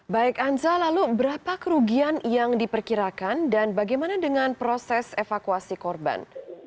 baik anza lalu berapa kerugian yang diperkirakan dan bagaimana dengan proses evakuasi korban